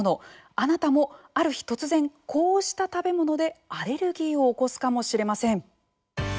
あなたもある日、突然こうした食べ物でアレルギーを起こすかもしれません。